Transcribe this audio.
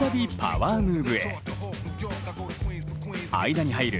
間に入る